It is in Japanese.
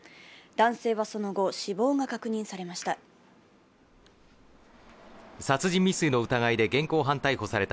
男性はその後、死亡が確認されました。